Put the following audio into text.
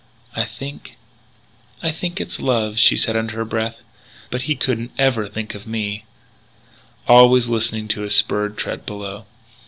"I think I think it's love," she said under her breath.... "But he couldn't ever think of me " always listening to his spurred tread below.